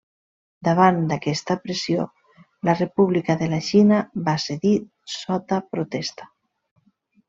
Davant d'aquesta pressió, la República de la Xina va cedir sota protesta.